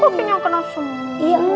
kok ini yang kena semua